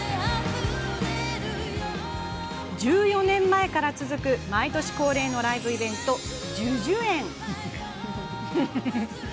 １４年前から続く毎年恒例のライブイベント